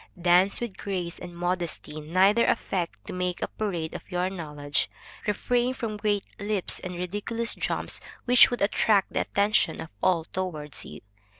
Dance with grace and modesty; neither affect to make a parade of your knowledge; refrain from great leaps and ridiculous jumps which would attract the attention of all towards you.